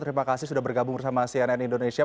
terima kasih sudah bergabung bersama cnn indonesia